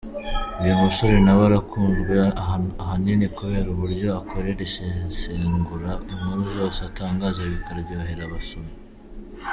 Uyu musore nawe arakunzwe, ahanini kubera uburyo akorera isesengura inkuru zose atangaza bikaryhera abasomyi.